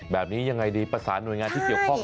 แบบนี้ยังไงดีประสานหน่วยงานที่เฉียบพร่อมนะ